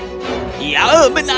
aku dengar dia itu sangat kuat